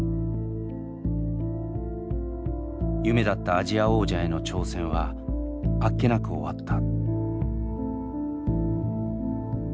夢だったアジア王者への挑戦はあっけなく終わった。